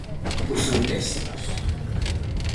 Por centésimas.